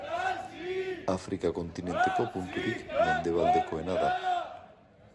Afrika kontinenteko punturik mendebaldekoena da.